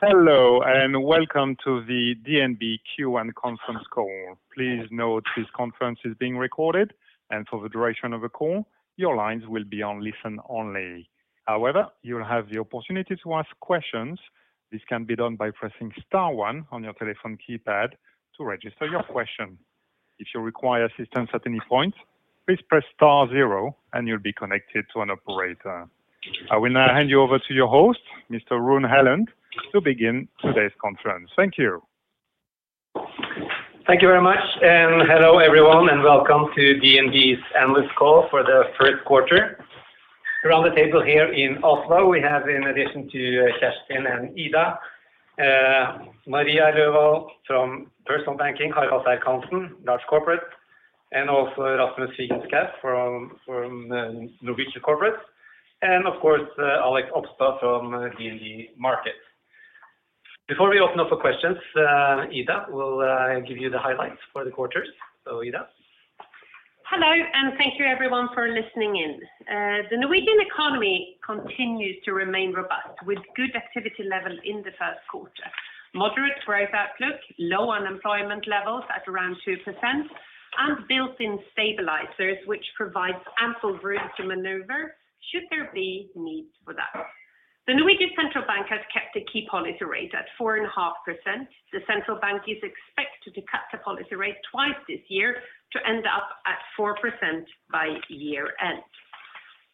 Hello, and welcome to the DNB Q1 Conference Call. Please note this conference is being recorded, and for the duration of the call, your lines will be on listen only. However, you'll have the opportunity to ask questions. This can be done by pressing star one on your telephone keypad to register your question. If you require assistance at any point, please press star zero, and you'll be connected to an operator. I will now hand you over to your host, Mr. Rune Helland, to begin today's conference. Thank you. Thank you very much, and hello everyone, and welcome to DNB's analyst call for the 1st quarter. Around the table here in Oslo, we have, in addition to Kjerstin and Ida, Maria Loevold from Personal Banking, Harald Serck Hanssen, Large Corporate, and also Rasmus Figenschou from Norwegian Corporate, and of course, Alex Opstad from DNB Markets. Before we open up for questions, Ida will give you the highlights for the quarter. Ida. Hello, and thank you everyone for listening in. The Norwegian economy continues to remain robust, with good activity levels in the 1st quarter, moderate growth outlook, low unemployment levels at around 2%, and built-in stabilizers, which provide ample room to maneuver should there be need for that. The Norwegian central bank has kept a key policy rate at 4.5%. The central bank is expected to cut the policy rate twice this year to end up at 4% by year-end.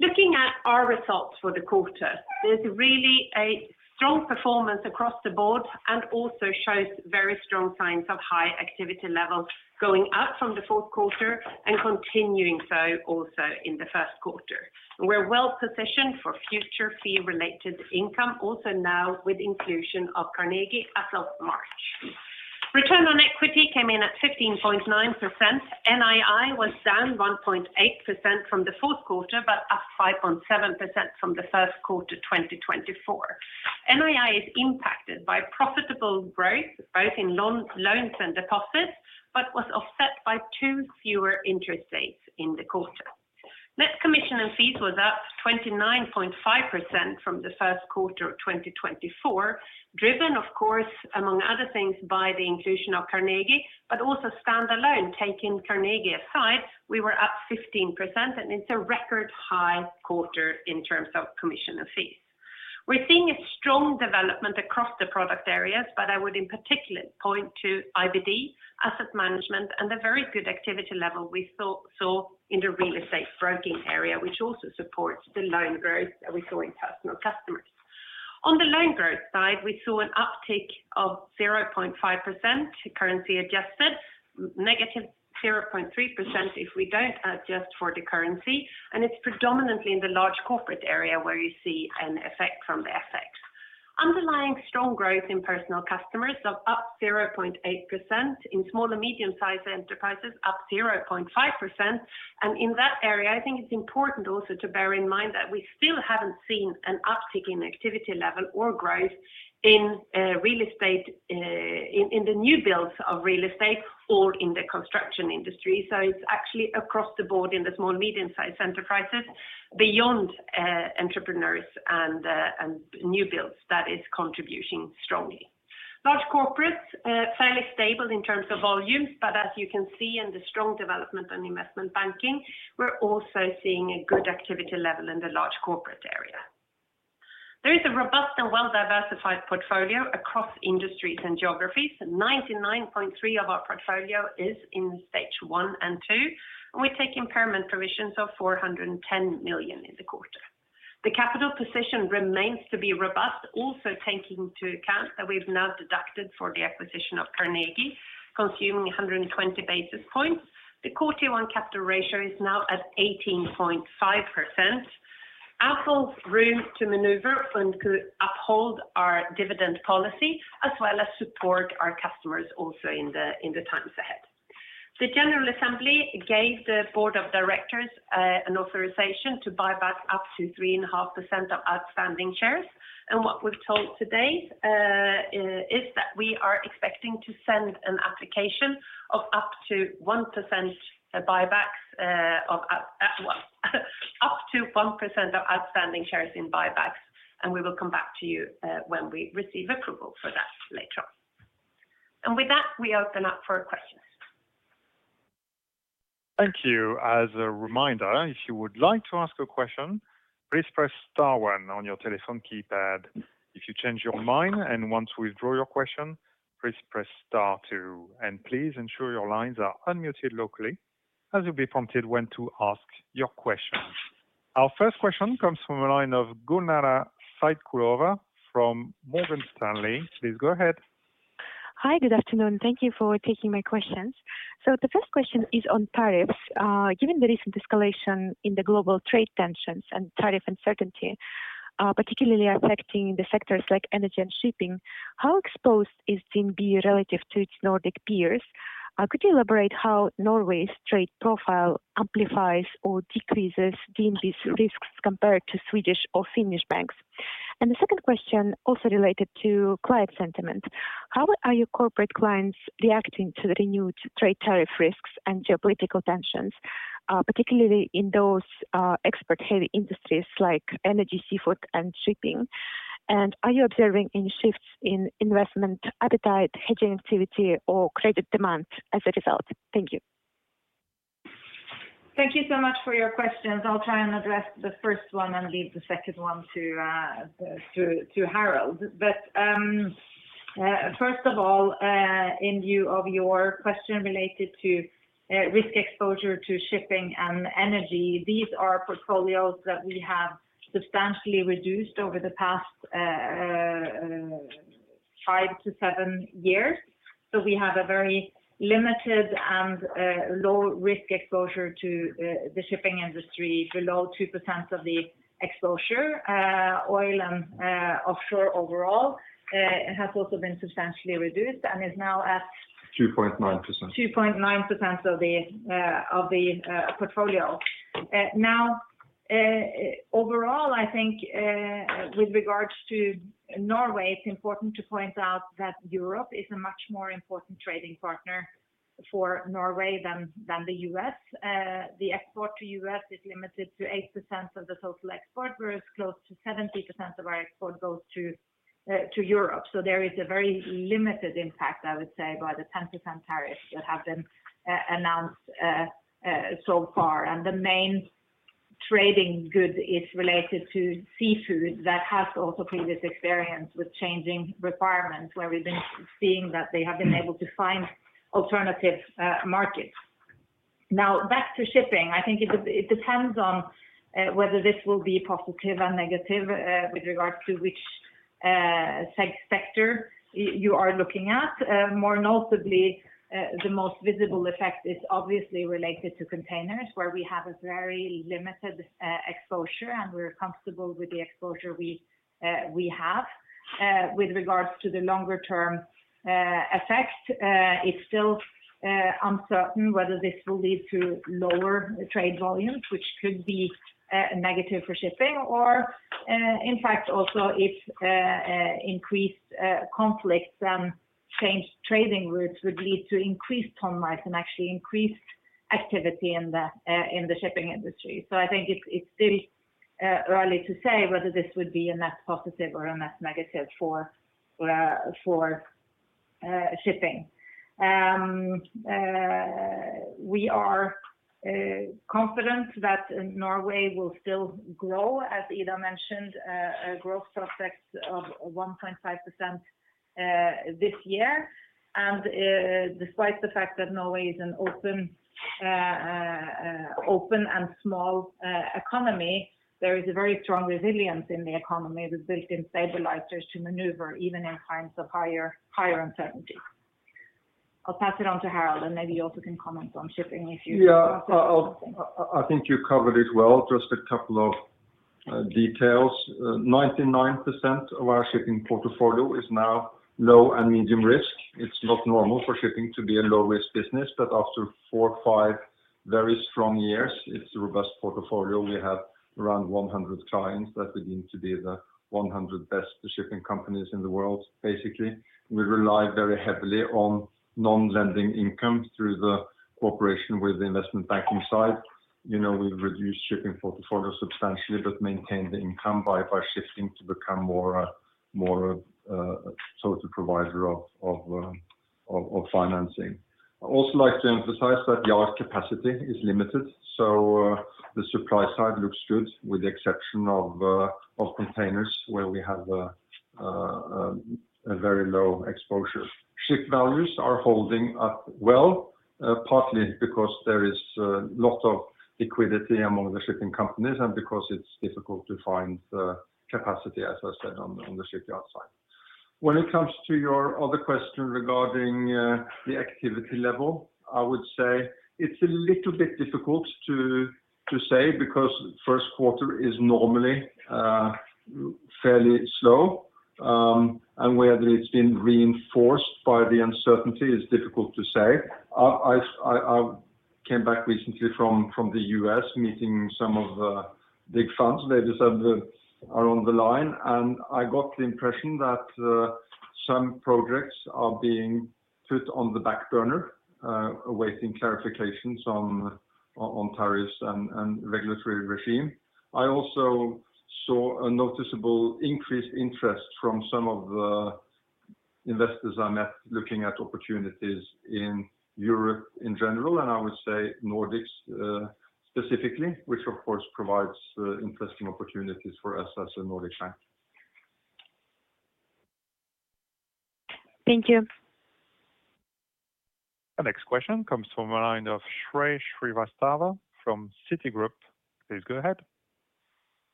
Looking at our results for the quarter, there's really a strong performance across the board and also shows very strong signs of high activity levels going up from the 4th quarter and continuing so also in the 1st quarter. We're well positioned for future fee-related income, also now with inclusion of Carnegie as of March. Return on equity came in at 15.9%. NII was down 1.8% from the 4th quarter, but up 5.7% from the 1st quarter 2024. NII is impacted by profitable growth, both in loans and deposits, but was offset by two fewer interest rate days in the quarter. Net commission and fees was up 29.5% from the 1st quarter of 2024, driven, of course, among other things, by the inclusion of Carnegie, but also standalone, taking Carnegie aside, we were up 15%, and it's a record high quarter in terms of commission and fees. We're seeing a strong development across the product areas, but I would in particular point to IBD, asset management, and the very good activity level we saw in the real estate broking area, which also supports the loan growth that we saw in personal customers. On the loan growth side, we saw an uptick of 0.5%, currency adjusted, negative 0.3% if we do not adjust for the currency, and it is predominantly in the large corporate area where you see an effect from the FX. Underlying strong growth in personal customers of up 0.8%, in small and medium-sized enterprises, up 0.5%, and in that area, I think it is important also to bear in mind that we still have not seen an uptick in activity level or growth in real estate, in the new builds of real estate or in the construction industry. It is actually across the board in the small and medium-sized enterprises, beyond entrepreneurs and new builds that is contributing strongly. Large corporates, fairly stable in terms of volumes, but as you can see in the strong development and investment banking, we are also seeing a good activity level in the large corporate area. There is a robust and well-diversified portfolio across industries and geographies. 99.3% of our portfolio is in stage one and two, and we take impairment provisions of 410 million in the quarter. The capital position remains to be robust, also taking into account that we've now deducted for the acquisition of Carnegie, consuming 120 basis points. The quarter-on-capital ratio is now at 18.5%. Our full room to maneuver and to uphold our dividend policy, as well as support our customers also in the times ahead. The General Assembly gave the board of directors an authorization to buy back up to 3.5% of outstanding shares, and what we've told today is that we are expecting to send an application of up to 1% buybacks of up to 1% of outstanding shares in buybacks, and we will come back to you when we receive approval for that later on. With that, we open up for questions. Thank you. As a reminder, if you would like to ask a question, please press star one on your telephone keypad. If you change your mind and want to withdraw your question, please press star two, and please ensure your lines are unmuted locally as you'll be prompted when to ask your question. Our first question comes from a line of Gulnara Saitkulova from Morgan Stanley. Please go ahead. Hi, good afternoon. Thank you for taking my questions. The first question is on tariffs. Given the recent escalation in the global trade tensions and tariff uncertainty, particularly affecting the sectors like energy and shipping, how exposed is DNB relative to its Nordic peers? Could you elaborate how Norway's trade profile amplifies or decreases DNB's risks compared to Swedish or Finnish banks? The second question also related to client sentiment. How are your corporate clients reacting to the renewed trade tariff risks and geopolitical tensions, particularly in those export-heavy industries like energy, seafood, and shipping? Are you observing any shifts in investment appetite, hedging activity, or credit demand as a result? Thank you. Thank you so much for your questions. I'll try and address the first one and leave the second one to Harald. First of all, in view of your question related to risk exposure to shipping and energy, these are portfolios that we have substantially reduced over the past five to seven years. We have a very limited and low-risk exposure to the shipping industry, below 2% of the exposure. Oil and offshore overall has also been substantially reduced and is now at. 2.9%. 2.9% of the portfolio. Now, overall, I think with regards to Norway, it's important to point out that Europe is a much more important trading partner for Norway than the U.S. The export to the U.S. is limited to 8% of the total export, whereas close to 70% of our export goes to Europe. There is a very limited impact, I would say, by the 10% tariffs that have been announced so far. The main trading good is related to seafood that has also previous experience with changing requirements, where we've been seeing that they have been able to find alternative markets. Now, back to shipping, I think it depends on whether this will be positive or negative with regards to which sector you are looking at. More notably, the most visible effect is obviously related to containers, where we have a very limited exposure, and we're comfortable with the exposure we have. With regards to the longer-term effect, it's still uncertain whether this will lead to lower trade volumes, which could be negative for shipping, or in fact, also if increased conflicts and changed trading routes would lead to increased ton marks and actually increased activity in the shipping industry. I think it's still early to say whether this would be a net positive or a net negative for shipping. We are confident that Norway will still grow, as Ida mentioned, a growth prospect of 1.5% this year. Despite the fact that Norway is an open and small economy, there is a very strong resilience in the economy with built-in stabilizers to maneuver even in times of higher uncertainty. I'll pass it on to Harald, and maybe you also can comment on shipping if you're interested in something. Yeah, I think you covered it well, just a couple of details. 99% of our shipping portfolio is now low and medium risk. It's not normal for shipping to be a low-risk business, but after four or five very strong years, it's a robust portfolio. We have around 100 clients that begin to be the 100 best shipping companies in the world, basically. We rely very heavily on non-lending income through the cooperation with the investment banking side. We've reduced shipping portfolio substantially, but maintained the income by shifting to become more a total provider of financing. I'd also like to emphasize that yard capacity is limited, so the supply side looks good, with the exception of containers, where we have a very low exposure. Ship values are holding up well, partly because there is a lot of liquidity among the shipping companies and because it is difficult to find capacity, as I said, on the shipyard side. When it comes to your other question regarding the activity level, I would say it is a little bit difficult to say because 1st quarter is normally fairly slow, and whether it has been reinforced by the uncertainty is difficult to say. I came back recently from the U.S., meeting some of the big funds. They are on the line, and I got the impression that some projects are being put on the back burner, awaiting clarifications on tariffs and regulatory regime. I also saw a noticeable increased interest from some of the investors I met looking at opportunities in Europe in general, and I would say Nordics specifically, which of course provides interesting opportunities for us as a Nordic bank. Thank you. The next question comes from a line of Shreyas Srivastava from Citigroup. Please go ahead.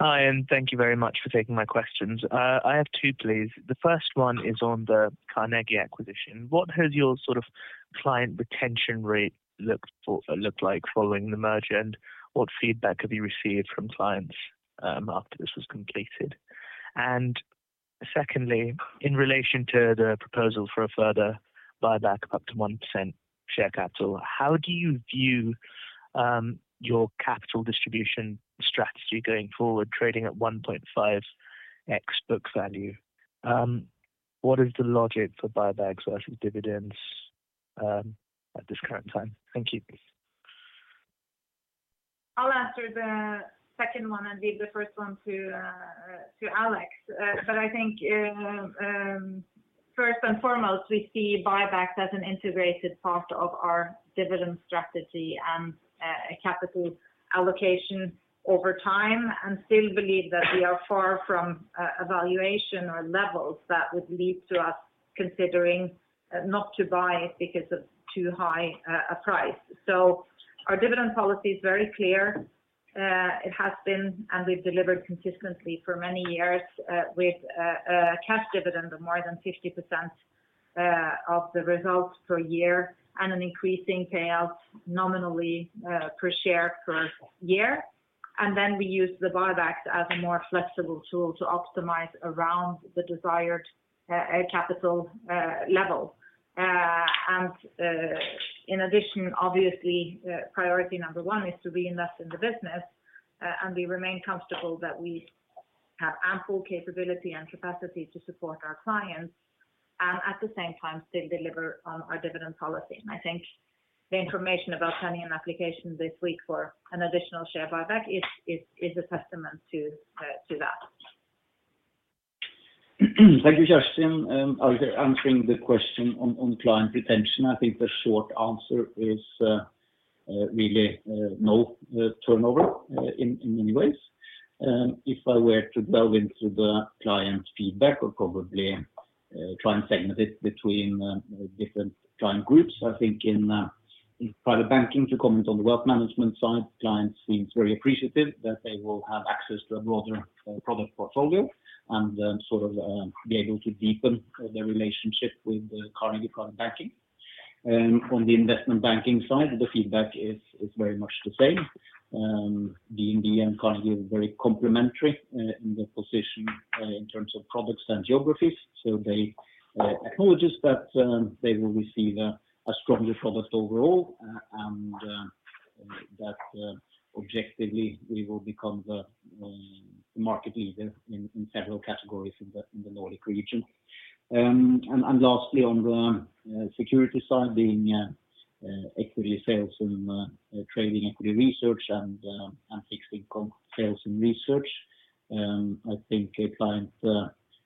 Hi, and thank you very much for taking my questions. I have two, please. The first one is on the Carnegie acquisition. What has your sort of client retention rate looked like following the merger, and what feedback have you received from clients after this was completed? Secondly, in relation to the proposal for a further buyback of up to 1% share capital, how do you view your capital distribution strategy going forward, trading at 1.5x book value? What is the logic for buybacks versus dividends at this current time? Thank you. I'll answer the second one and leave the first one to Alex. First and foremost, we see buybacks as an integrated part of our dividend strategy and capital allocation over time, and still believe that we are far from a valuation or levels that would lead to us considering not to buy it because of too high a price. Our dividend policy is very clear. It has been, and we've delivered consistently for many years with a cash dividend of more than 50% of the result per year and an increasing payout nominally per share per year. We use the buybacks as a more flexible tool to optimize around the desired capital level. In addition, obviously, priority number one is to reinvest in the business, and we remain comfortable that we have ample capability and capacity to support our clients and at the same time still deliver on our dividend policy. I think the information about sending an application this week for an additional share buyback is a testament to that. Thank you, Kjerstin. I was answering the question on client retention. I think the short answer is really no turnover in many ways. If I were to delve into the client feedback or probably try and segment it between different client groups, I think in private banking, to comment on the wealth management side, clients seem very appreciative that they will have access to a broader product portfolio and sort of be able to deepen their relationship with Carnegie private banking. On the investment banking side, the feedback is very much the same. DNB and Carnegie are very complementary in their position in terms of products and geographies, so they acknowledge that they will receive a stronger product overall and that objectively we will become the market leader in several categories in the Nordic region. Lastly, on the security side, being equity sales and trading, equity research, and fixed income sales and research, I think clients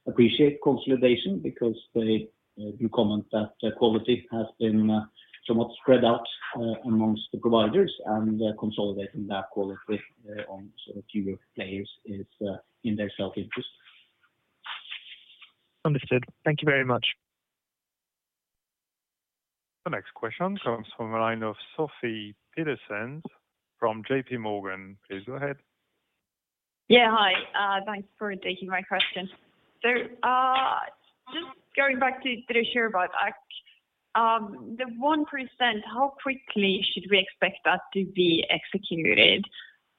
appreciate consolidation because they do comment that quality has been somewhat spread out amongst the providers, and consolidating that quality on sort of fewer players is in their self-interest. Understood. Thank you very much. The next question comes from a line of Sophie Peterson from JP Morgan. Please go ahead. Yeah, hi. Thanks for taking my question. Just going back to the share buyback, the 1%, how quickly should we expect that to be executed?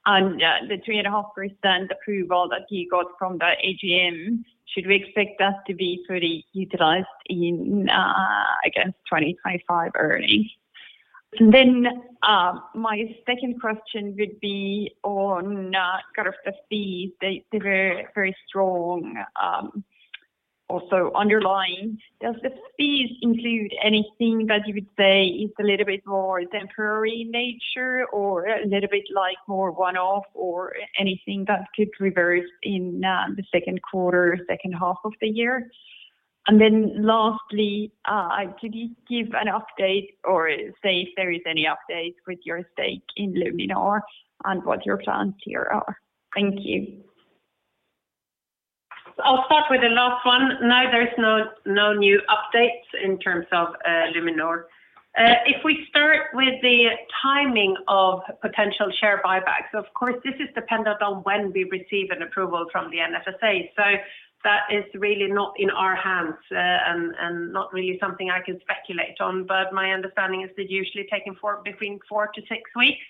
The 3.5% approval that he got from the AGM, should we expect that to be fully utilized against 2025 earnings? My second question would be on kind of the fees. They were very strong. Also underlying, does the fees include anything that you would say is a little bit more temporary in nature or a little bit like more one-off or anything that could reverse in the 2nd quarter, second half of the year? Lastly, could you give an update or say if there is any update with your stake in Luminor and what your plans here are? Thank you. I'll start with the last one. No, there's no new updates in terms of Luminor. If we start with the timing of potential share buybacks, of course, this is dependent on when we receive an approval from the NFSA. That is really not in our hands and not really something I can speculate on, but my understanding is that usually taking between four to six weeks.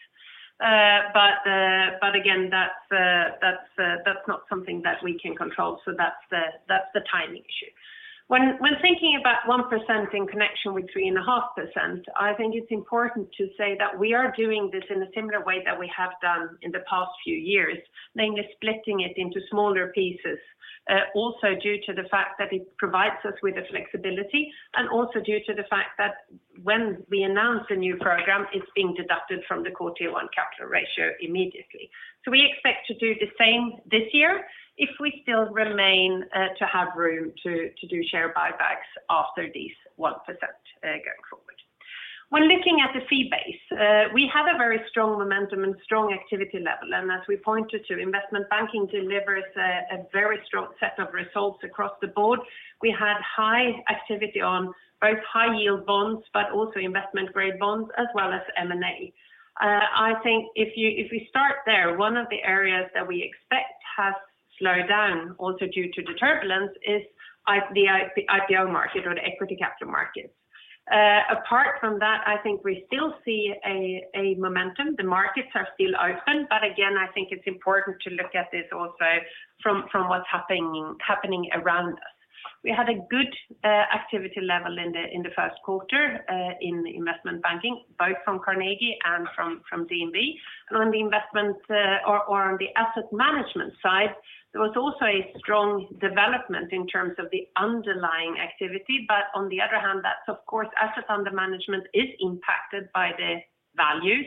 Again, that's not something that we can control, so that's the timing issue. When thinking about 1% in connection with 3.5%, I think it's important to say that we are doing this in a similar way that we have done in the past few years, namely splitting it into smaller pieces, also due to the fact that it provides us with the flexibility and also due to the fact that when we announce a new program, it's being deducted from the quarterly one capital ratio immediately. We expect to do the same this year if we still remain to have room to do share buybacks after this 1% going forward. When looking at the fee base, we have a very strong momentum and strong activity level. As we pointed to, investment banking delivers a very strong set of results across the board. We had high activity on both high-yield bonds, but also investment-grade bonds, as well as M&A. I think if we start there, one of the areas that we expect has slowed down also due to the turbulence is the IPO market or the equity capital markets. Apart from that, I think we still see a momentum. The markets are still open, but again, I think it's important to look at this also from what's happening around us. We had a good activity level in the 1st quarter in investment banking, both from Carnegie and from DNB. On the investment or on the asset management side, there was also a strong development in terms of the underlying activity. On the other hand, that's of course, asset under management is impacted by the values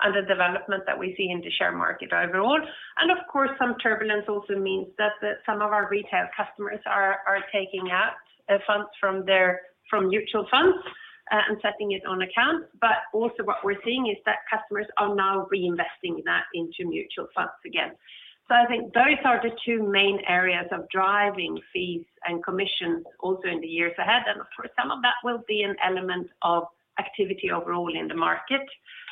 and the development that we see in the share market overall. Of course, some turbulence also means that some of our retail customers are taking out funds from mutual funds and setting it on accounts. What we are seeing is that customers are now reinvesting that into mutual funds again. I think those are the two main areas of driving fees and commissions also in the years ahead. Of course, some of that will be an element of activity overall in the market,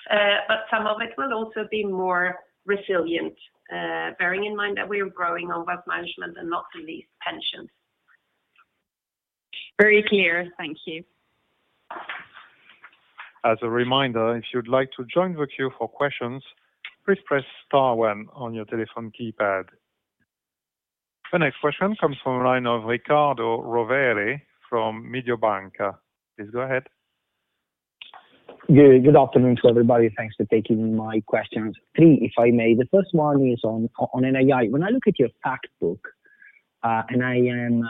but some of it will also be more resilient, bearing in mind that we are growing on wealth management and not the least pensions. Very clear. Thank you. As a reminder, if you'd like to join the queue for questions, please press star one on your telephone keypad. The next question comes from a line of Riccardo Rovere from Mediobanca. Please go ahead. Good afternoon to everybody. Thanks for taking my questions. Three, if I may. The first one is on NII. When I look at your fact book, and I am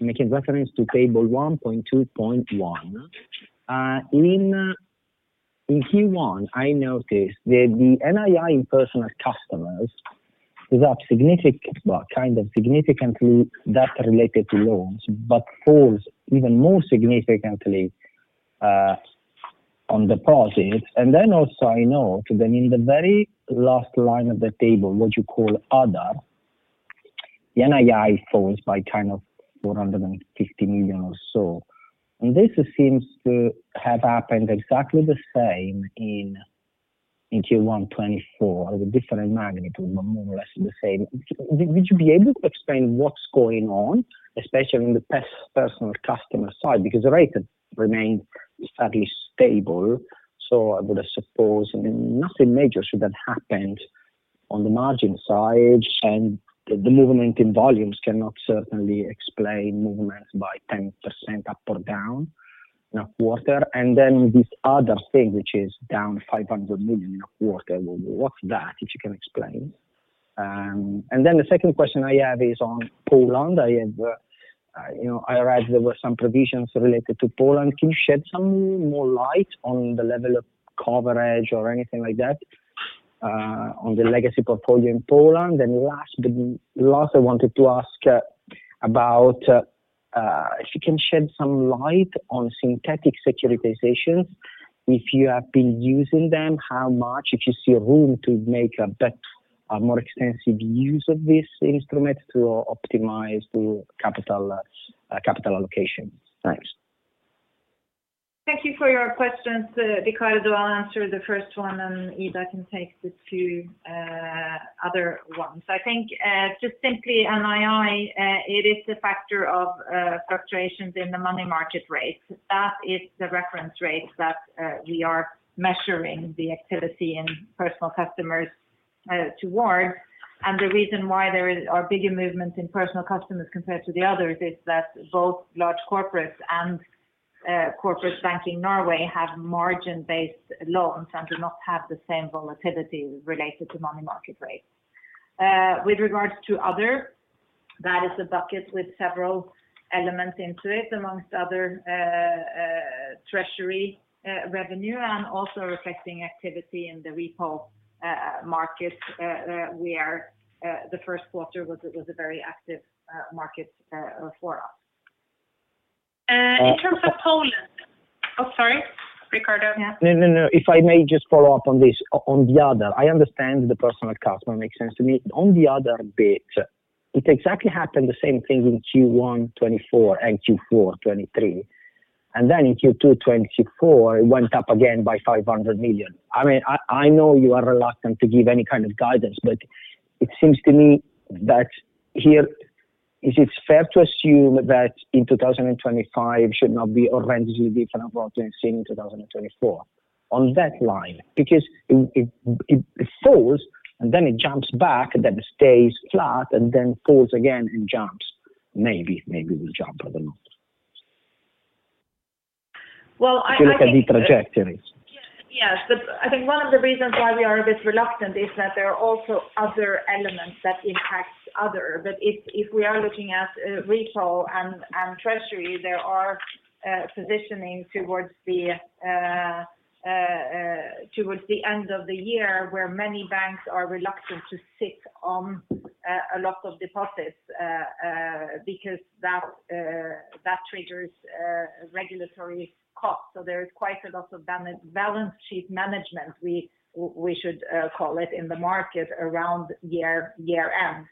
making reference to table 1.2.1, in Q1, I noticed that the NII in personal customers is up significantly, but kind of significantly that related to loans, but falls even more significantly on deposits. I also note that in the very last line of the table, what you call other, the NII falls by kind of 450 million or so. This seems to have happened exactly the same in Q1 2024, with different magnitude, but more or less the same. Would you be able to explain what's going on, especially on the personal customer side? Because rates have remained sadly stable, I would suppose nothing major should have happened on the margin side, and the movement in volumes cannot certainly explain movements by 10% up or down in a quarter. This other thing, which is down 500 million in a quarter, what is that, if you can explain? The second question I have is on Poland. I read there were some provisions related to Poland. Can you shed some more light on the level of coverage or anything like that on the legacy portfolio in Poland? Last, I wanted to ask about if you can shed some light on synthetic securitizations. If you have been using them, how much? If you see room to make a more extensive use of this instrument to optimize capital allocation? Thanks. Thank you for your questions, Riccardo. I'll answer the first one, and Ida can take the two other ones. I think just simply NII, it is a factor of fluctuations in the money market rate. That is the reference rate that we are measuring the activity in personal customers towards. The reason why there are bigger movements in personal customers compared to the others is that both large corporates and corporate banking Norway have margin-based loans and do not have the same volatility related to money market rates. With regards to others, that is a bucket with several elements into it, amongst other treasury revenue and also reflecting activity in the repo market where the 1st quarter was a very active market for us. In terms of Poland—oh, sorry, Riccardo. No, no. If I may just follow up on this, on the other, I understand the personal customer makes sense to me. On the other bit, it exactly happened the same thing in Q1 2024, and Q4 2023. In Q2 2024, it went up again by 500 million. I mean, I know you are reluctant to give any kind of guidance, but it seems to me that here, is it fair to assume that in 2025, it should not be horrendously different from what we've seen in 2024? On that line, because it falls, and then it jumps back, then it stays flat, and then falls again and jumps. Maybe, maybe it will jump, I don't know. I think. If you look at the trajectories. Yes, but I think one of the reasons why we are a bit reluctant is that there are also other elements that impact other. If we are looking at repo and treasury, there are positioning towards the end of the year where many banks are reluctant to sit on a lot of deposits because that triggers regulatory costs. There is quite a lot of balance sheet management, we should call it, in the market around year-end.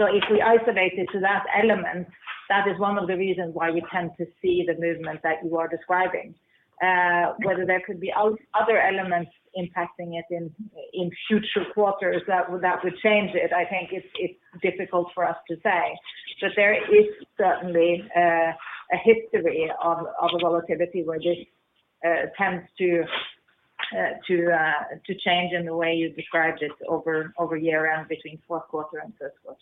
If we isolate it to that element, that is one of the reasons why we tend to see the movement that you are describing. Whether there could be other elements impacting it in future quarters that would change it, I think it's difficult for us to say. There is certainly a history of volatility where this tends to change in the way you described it over year-end between 4th quarter and 5th quarter.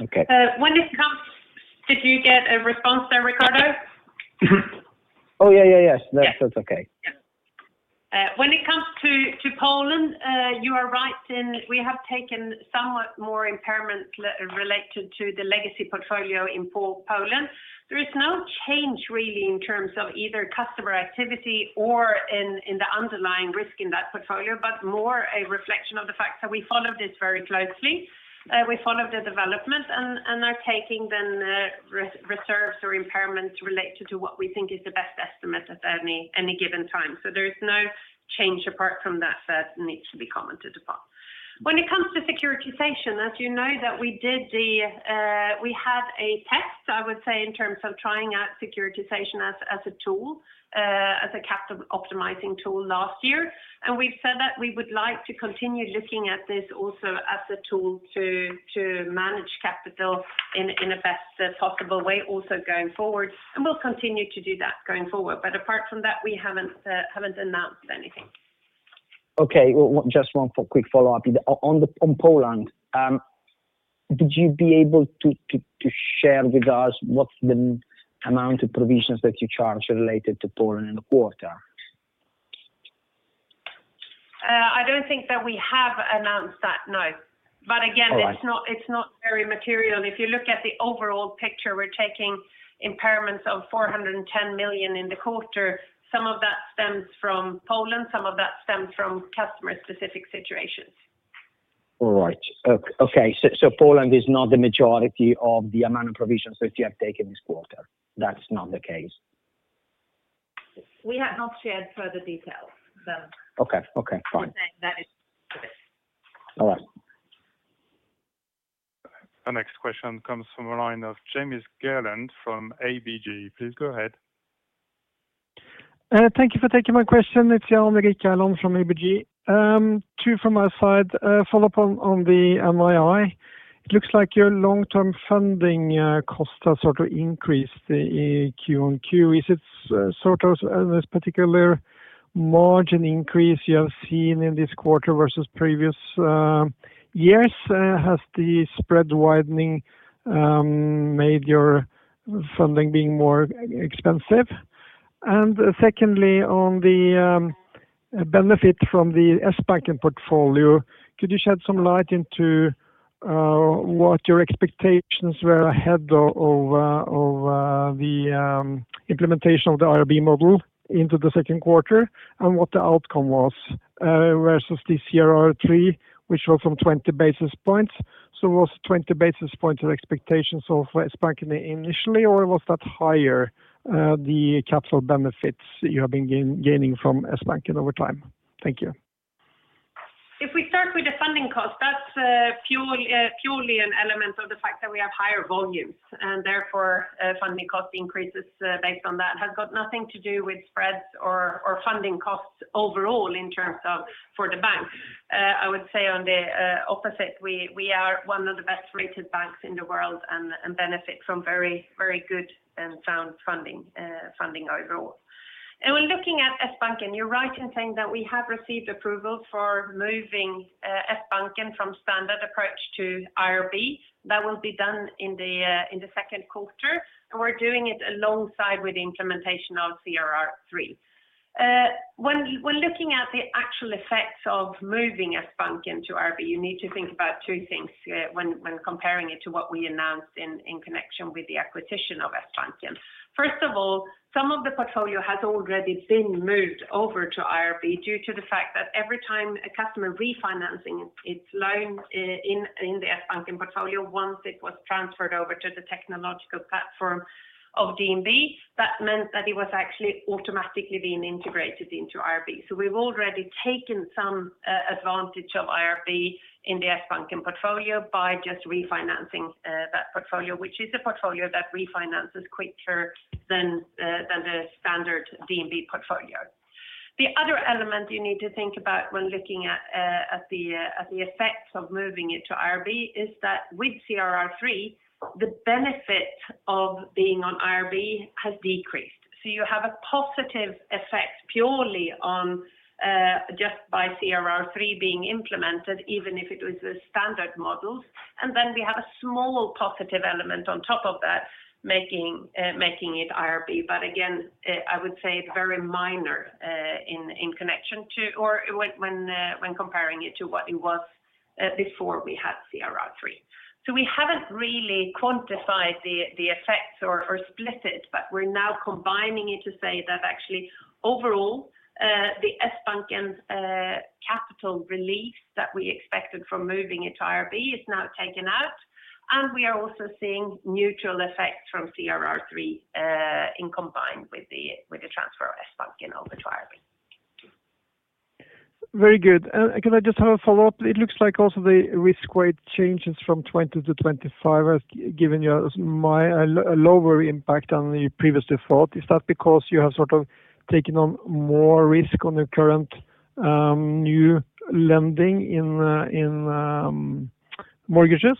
Okay. When it comes, did you get a response there, Riccardo? Yeah, yeah, yes. That's okay. When it comes to Poland, you are right in we have taken somewhat more impairment related to the legacy portfolio in Poland. There is no change really in terms of either customer activity or in the underlying risk in that portfolio, but more a reflection of the fact that we followed this very closely. We followed the development and are taking then reserves or impairments related to what we think is the best estimate at any given time. There is no change apart from that that needs to be commented upon. When it comes to securitization, as you know that we did the—we had a test, I would say, in terms of trying out securitization as a tool, as a capital optimizing tool last year. We have said that we would like to continue looking at this also as a tool to manage capital in the best possible way also going forward. We will continue to do that going forward. Apart from that, we have not announced anything. Okay. Just one quick follow-up. On Poland, would you be able to share with us what's the amount of provisions that you charge related to Poland in the quarter? I don't think that we have announced that, no. Again, it's not very material. If you look at the overall picture, we're taking impairments of 410 million in the quarter. Some of that stems from Poland. Some of that stems from customer-specific situations. All right. Okay. Poland is not the majority of the amount of provisions that you have taken this quarter. That's not the case. We have not shared further details. Okay. Okay. Fine. I'm saying that is it. All right. The next question comes from a line of Jan Erik Gjerland from ABG. Please go ahead. Thank you for taking my question. It's Jan Erik Gjerland from ABG. Two from my side. Follow-up on the NII. It looks like your long-term funding cost has sort of increased Q on Q. Is it sort of this particular margin increase you have seen in this quarter versus previous years? Has the spread widening made your funding being more expensive? Secondly, on the benefit from the S-Banking portfolio, could you shed some light into what your expectations were ahead of the implementation of the IRB model into the 2nd quarter and what the outcome was versus this year or three, which was on 20 basis points? Was 20 basis points of expectations of S-Banking initially, or was that higher, the capital benefits you have been gaining from S-Banking over time? Thank you. If we start with the funding cost, that's purely an element of the fact that we have higher volumes, and therefore funding cost increases based on that. It has got nothing to do with spreads or funding costs overall in terms of for the bank. I would say on the opposite, we are one of the best-rated banks in the world and benefit from very good and sound funding overall. When looking at S-Banking, you're right in saying that we have received approvals for moving S-Banking from standard approach to IRB. That will be done in the 2nd quarter. We are doing it alongside with the implementation of CRR3. When looking at the actual effects of moving S-Banking to IRB, you need to think about two things when comparing it to what we announced in connection with the acquisition of S-Banking. First of all, some of the portfolio has already been moved over to IRB due to the fact that every time a customer refinancing its loan in the S-Banking portfolio, once it was transferred over to the technological platform of DNB, that meant that it was actually automatically being integrated into IRB. So we've already taken some advantage of IRB in the S-Banking portfolio by just refinancing that portfolio, which is a portfolio that refinances quicker than the standard DNB portfolio. The other element you need to think about when looking at the effects of moving it to IRB is that with CRR3, the benefit of being on IRB has decreased. You have a positive effect purely on just by CRR3 being implemented, even if it was the standard models. Then we have a small positive element on top of that, making it IRB. I would say it's very minor in connection to, or when comparing it to what it was before we had CRR3. We haven't really quantified the effects or split it, but we're now combining it to say that actually overall, the S-Banking capital relief that we expected from moving it to IRB is now taken out. We are also seeing neutral effects from CRR3 in combined with the transfer of S-Banking over to IRB. Very good. Can I just have a follow-up? It looks like also the risk weight changes from 20 to 25% has given you a lower impact than you previously thought. Is that because you have sort of taken on more risk on your current new lending in mortgages?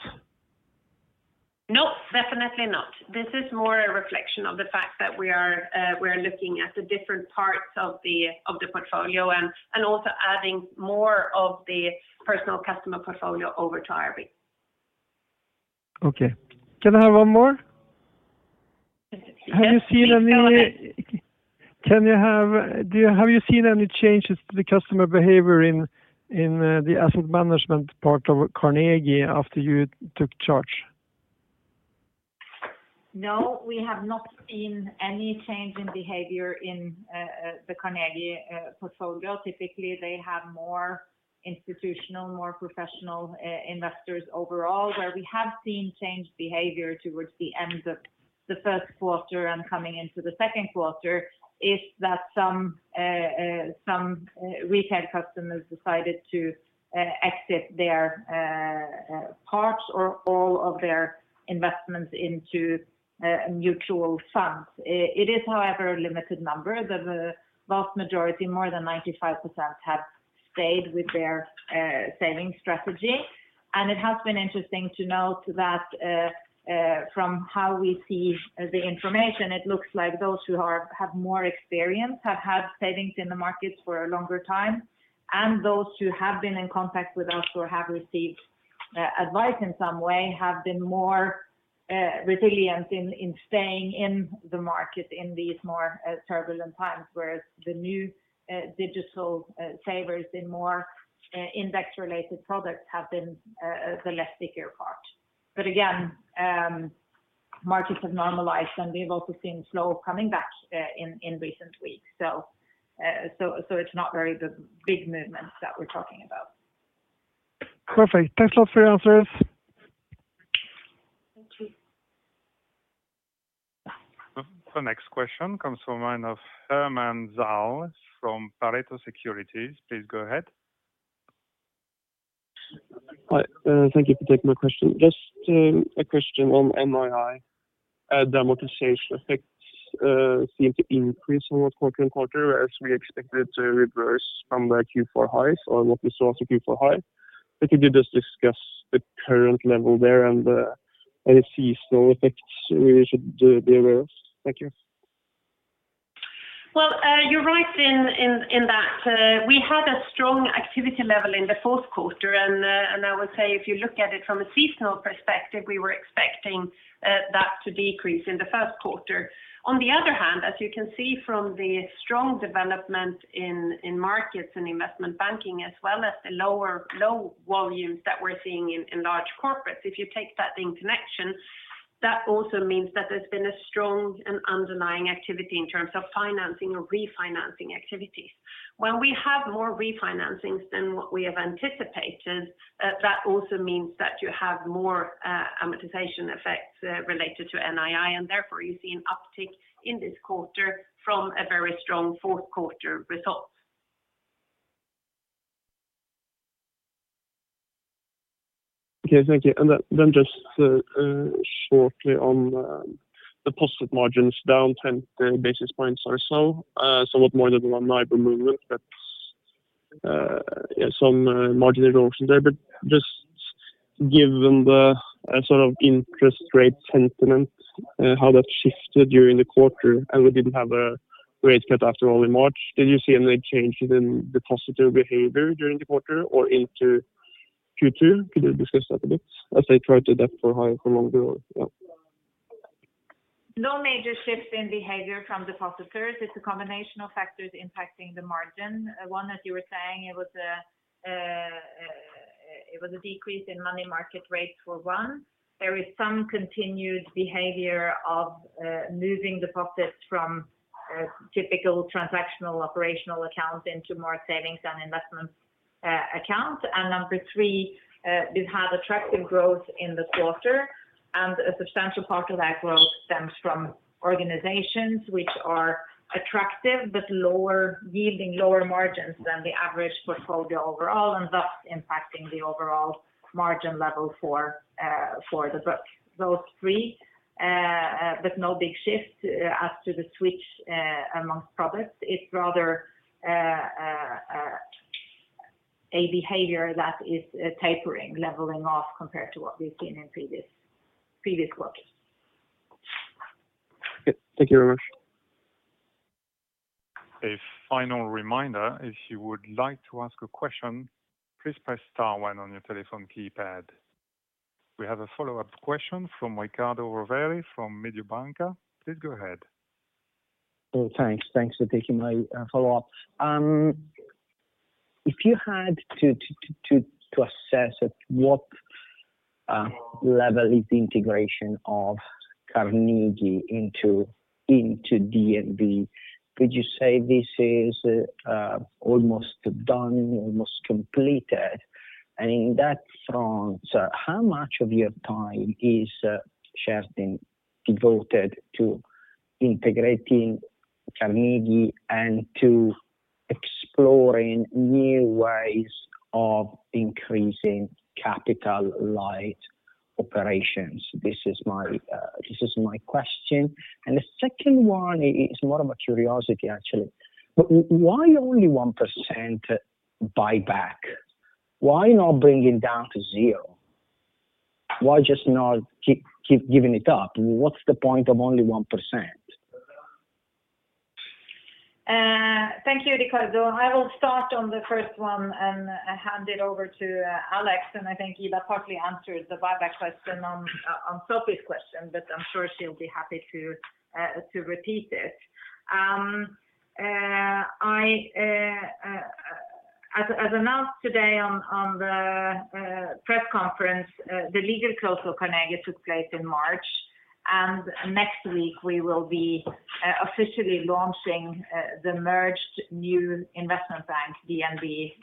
No, definitely not. This is more a reflection of the fact that we are looking at the different parts of the portfolio and also adding more of the personal customer portfolio over to IRB. Okay. Can I have one more? Have you seen any changes to the customer behavior in the asset management part of Carnegie after you took charge? No, we have not seen any change in behavior in the Carnegie portfolio. Typically, they have more institutional, more professional investors overall. Where we have seen changed behavior towards the end of the 1st quarter and coming into the 2nd quarter is that some retail customers decided to exit their parts or all of their investments into mutual funds. It is, however, a limited number. The vast majority, more than 95%, have stayed with their savings strategy. It has been interesting to note that from how we see the information, it looks like those who have more experience have had savings in the markets for a longer time. Those who have been in contact with us or have received advice in some way have been more resilient in staying in the market in these more turbulent times, whereas the new digital savers in more index-related products have been the less secure part. Again, markets have normalized, and we've also seen flow coming back in recent weeks. It is not very big movements that we're talking about. Perfect. Thanks a lot for your answers. Thank you. The next question comes from Ina Landengen from Pareto Securities. Please go ahead. Thank you for taking my question. Just a question on NII. The amortization effects seem to increase from quarter to quarter, whereas we expected it to reverse from the Q4 highs or what we saw as a Q4 high. Could you just discuss the current level there and any seasonal effects we should be aware of? Thank you. You are right in that. We had a strong activity level in the 4th quarter. I would say if you look at it from a seasonal perspective, we were expecting that to decrease in the 1st quarter. On the other hand, as you can see from the strong development in markets and investment banking, as well as the low volumes that we are seeing in large corporates, if you take that in connection, that also means that there has been a strong and underlying activity in terms of financing or refinancing activities. When we have more refinancings than what we have anticipated, that also means that you have more amortization effects related to NII. Therefore, you see an uptick in this quarter from a very strong 4th quarter result. Okay. Thank you. Just shortly on the post-it margins down 10 basis points or so, somewhat more than the one-neighbor movement, but some margin erosion there. Just given the sort of interest rate sentiment, how that shifted during the quarter, and we did not have a rate cut after all in March, did you see any change in the positive behavior during the quarter or into Q2? Could you discuss that a bit as they tried to adapt for higher for longer? Yeah. No major shift in behavior from the positives. It's a combination of factors impacting the margin. One, as you were saying, it was a decrease in money market rates for one. There is some continued behavior of moving deposits from typical transactional operational accounts into more savings and investment accounts. Number three, we've had attractive growth in the quarter. A substantial part of that growth stems from organizations which are attractive but lower yielding, lower margins than the average portfolio overall, and thus impacting the overall margin level for the book. Those three, but no big shift as to the switch amongst products. It's rather a behavior that is tapering, leveling off compared to what we've seen in previous quarters. Thank you very much. A final reminder, if you would like to ask a question, please press star one on your telephone keypad. We have a follow-up question from Riccardo Rovere from Mediobanca. Please go ahead. Thanks. Thanks for taking my follow-up. If you had to assess at what level is the integration of Carnegie into DNB, would you say this is almost done, almost completed? On that front, how much of your time is, Kjerstin, devoted to integrating Carnegie and to exploring new ways of increasing capital light operations? This is my question. The second one is more of a curiosity, actually. Why only 1% buyback? Why not bring it down to zero? Why just not giving it up? What's the point of only 1%? Thank you, Riccardo. I will start on the first one and hand it over to Alex. I think Ida partly answered the buyback question on Sophie's question, but I'm sure she'll be happy to repeat it. As announced today at the press conference, the legal close of Carnegie took place in March. Next week, we will be officially launching the merged new investment bank, DNB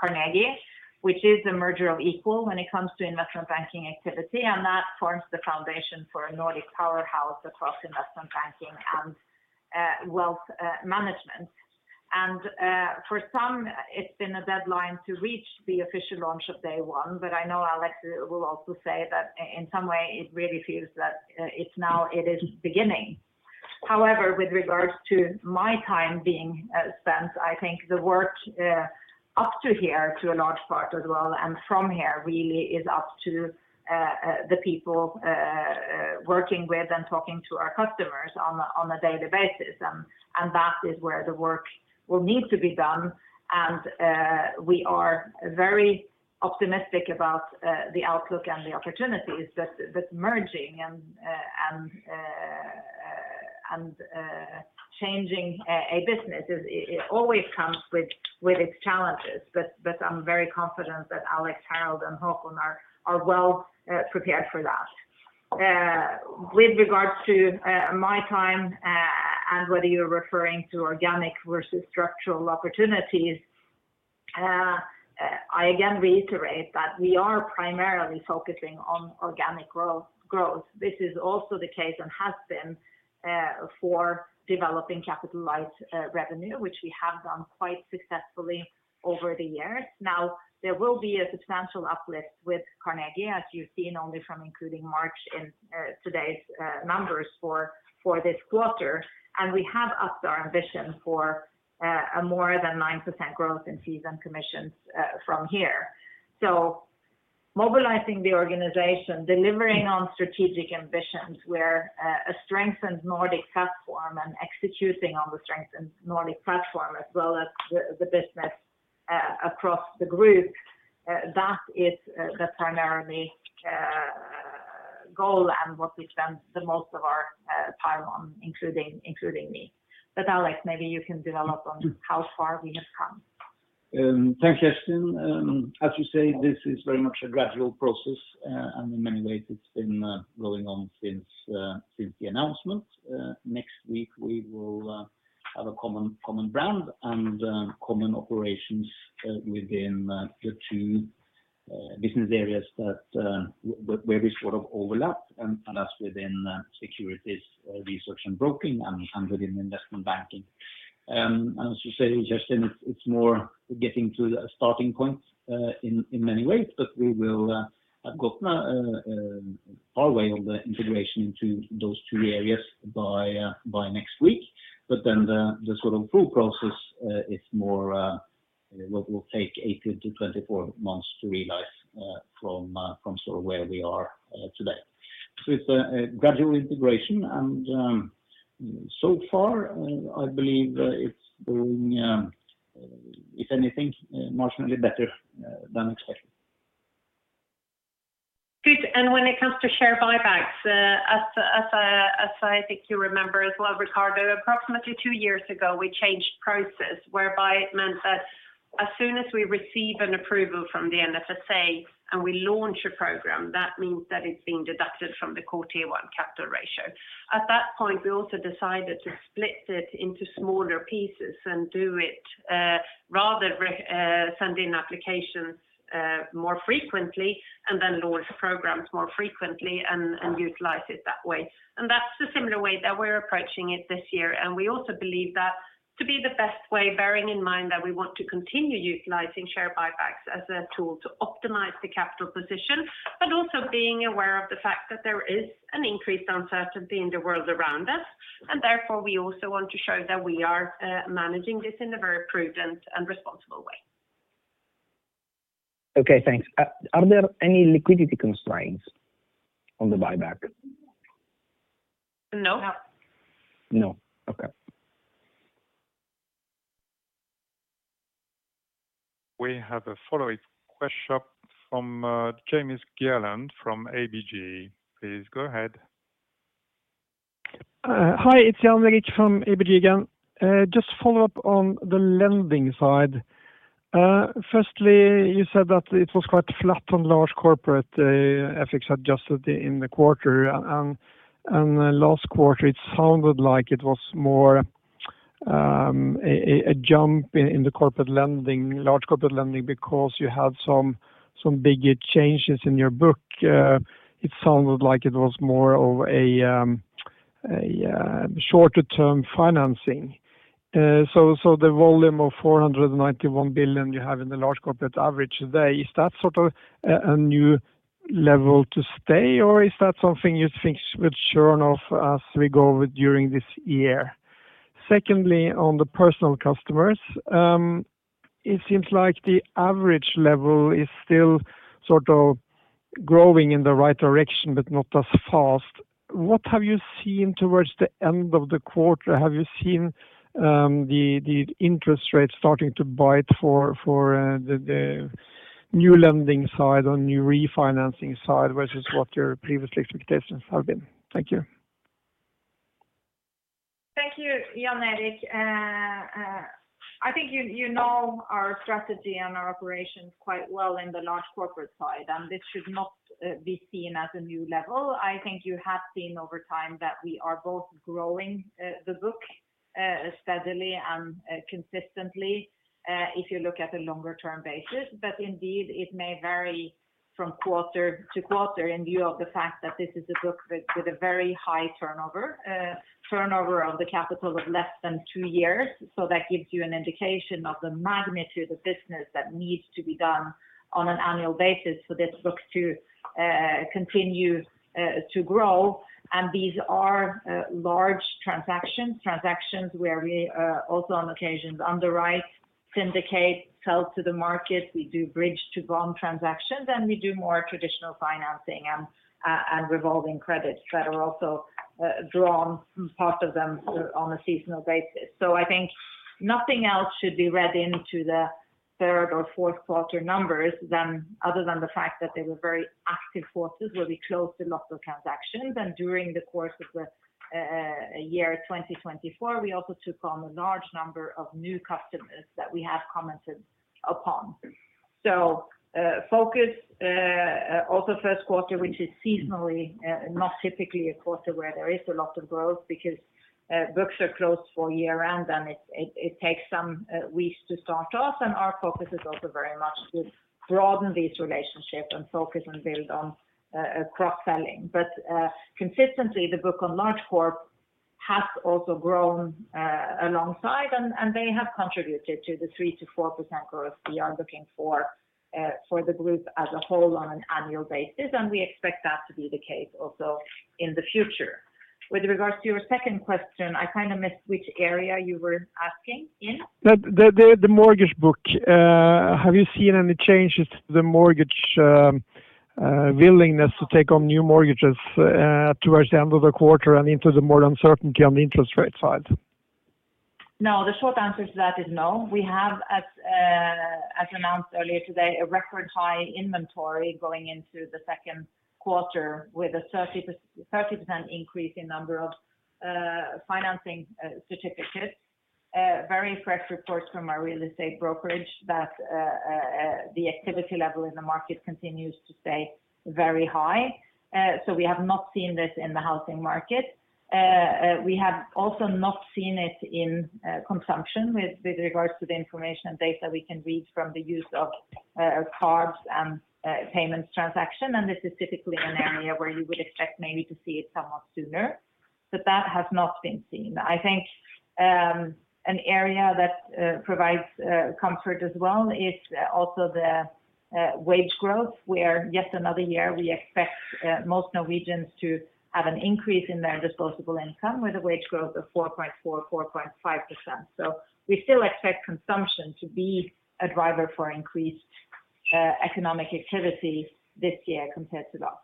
Carnegie, which is the merger of equals when it comes to investment banking activity. That forms the foundation for a Nordic powerhouse across investment banking and wealth management. For some, it's been a deadline to reach the official launch of day one. I know Alec will also say that in some way, it really feels that now, it is beginning. However, with regards to my time being spent, I think the work up to here, to a large part as well, and from here really is up to the people working with and talking to our customers on a daily basis. That is where the work will need to be done. We are very optimistic about the outlook and the opportunities that merging and changing a business always comes with its challenges. I am very confident that Alex, Harald, and I are well prepared for that. With regards to my time and whether you're referring to organic versus structural opportunities, I again reiterate that we are primarily focusing on organic growth. This is also the case and has been for developing capital light revenue, which we have done quite successfully over the years. Now, there will be a substantial uplift with Carnegie, as you've seen only from including March in today's numbers for this quarter. We have upped our ambition for a more than 9% growth in fees and commissions from here. Mobilizing the organization, delivering on strategic ambitions where a strengthened Nordic platform and executing on the strengthened Nordic platform, as well as the business across the group, that is the primary goal and what we spend the most of our time on, including me. Alex, maybe you can develop on how far we have come. Thanks, Kjerstin. As you say, this is very much a gradual process. In many ways, it's been going on since the announcement. Next week, we will have a common brand and common operations within the two business areas where we sort of overlap, and that's within securities, research, and broking, and within investment banking. As you say, Kjerstin, it's more getting to the starting point in many ways, but we will have gotten far away on the integration into those two areas by next week. The sort of full process is more what will take 18-24 months to realize from sort of where we are today. It is a gradual integration. So far, I believe it's going, if anything, marginally better than expected. Good. When it comes to share buybacks, as I think you remember as well, Riccardo, approximately two years ago, we changed process, whereby it meant that as soon as we receive an approval from the NFSA and we launch a program, that means that it is being deducted from the quarterly one capital ratio. At that point, we also decided to split it into smaller pieces and do it, rather send in applications more frequently and then launch programs more frequently and utilize it that way. That is the similar way that we are approaching it this year. We also believe that to be the best way, bearing in mind that we want to continue utilizing share buybacks as a tool to optimize the capital position, but also being aware of the fact that there is an increased uncertainty in the world around us. Therefore, we also want to show that we are managing this in a very prudent and responsible way. Okay. Thanks. Are there any liquidity constraints on the buyback? No. No. Okay. We have a follow-up question from Jan Erik Gjerland from ABG. Please go ahead. Hi. It's Jan Erik` from ABG again. Just follow up on the lending side. Firstly, you said that it was quite flat on large corporate FX adjusted in the quarter. Last quarter, it sounded like it was more a jump in the corporate lending, large corporate lending, because you had some bigger changes in your book. It sounded like it was more of a shorter-term financing. The volume of 491 billion you have in the large corporate average today, is that sort of a new level to stay, or is that something you think will churn off as we go during this year? Secondly, on the personal customers, it seems like the average level is still sort of growing in the right direction, but not as fast. What have you seen towards the end of the quarter? Have you seen the interest rates starting to bite for the new lending side or new refinancing side versus what your previous expectations have been? Thank you. Thank you, Jan Erik. I think you know our strategy and our operations quite well in the large corporate side. This should not be seen as a new level. I think you have seen over time that we are both growing the book steadily and consistently if you look at a longer-term basis. Indeed, it may vary from quarter to quarter in view of the fact that this is a book with a very high turnover, turnover of the capital of less than two years. That gives you an indication of the magnitude of business that needs to be done on an annual basis for this book to continue to grow. These are large transactions, transactions where we also on occasion underwrite, syndicate, sell to the market. We do bridge-to-bond transactions, and we do more traditional financing and revolving credits that are also drawn, part of them on a seasonal basis. I think nothing else should be read into the 3rd or 4th quarter numbers other than the fact that they were very active quarters where we closed a lot of transactions. During the course of the year 2024, we also took on a large number of new customers that we have commented upon. Focus also 1st quarter, which is seasonally, not typically a quarter where there is a lot of growth because books are closed for year-end, and it takes some weeks to start off. Our focus is also very much to broaden these relationships and focus and build on cross-selling. Consistently, the book on large corp has also grown alongside, and they have contributed to the 3-4% growth we are looking for the group as a whole on an annual basis. We expect that to be the case also in the future. With regards to your second question, I kind of missed which area you were asking in. The mortgage book. Have you seen any changes to the mortgage willingness to take on new mortgages towards the end of the quarter and into the more uncertainty on the interest rate side? No. The short answer to that is no. We have, as announced earlier today, a record high inventory going into the 2nd quarter with a 30% increase in number of financing certificates. Very fresh reports from our real estate brokerage that the activity level in the market continues to stay very high. We have not seen this in the housing market. We have also not seen it in consumption with regards to the information and data we can read from the use of cards and payments transaction. This is typically an area where you would expect maybe to see it somewhat sooner. That has not been seen. I think an area that provides comfort as well is also the wage growth, where yet another year we expect most Norwegians to have an increase in their disposable income with a wage growth of 4.4-4.5%. We still expect consumption to be a driver for increased economic activity this year compared to last.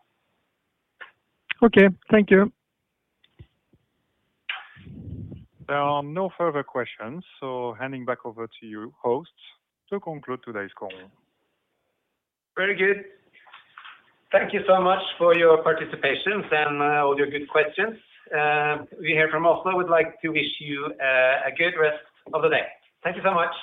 Okay. Thank you. There are no further questions. Handing back over to you, host, to conclude today's call. Very good. Thank you so much for your participation and all your good questions. We here from Oslo would like to wish you a good rest of the day. Thank you so much.